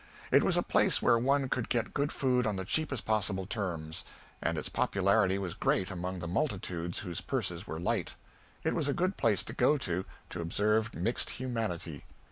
It was a place where one could get good food on the cheapest possible terms, and its popularity was great among the multitudes whose purses were light It was a good place to go to, to observe mixed humanity.